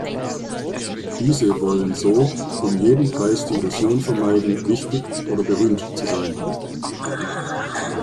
Diese wollen so „um jeden Preis die Illusion vermeiden, wichtig oder berühmt zu sein“.